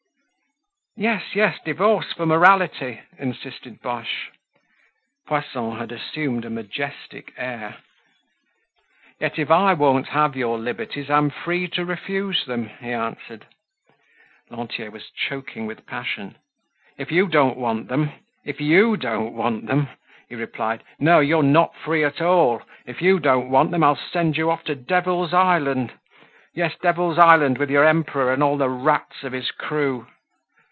"Yes, yes, divorce for morality!" insisted Boche. Poisson had assumed a majestic air. "Yet if I won't have your liberties, I'm free to refuse them," he answered. Lantier was choking with passion. "If you don't want them—if you don't want them—" he replied. "No, you're not free at all! If you don't want them, I'll send you off to Devil's Island. Yes, Devil's Island with your Emperor and all the rats of his crew."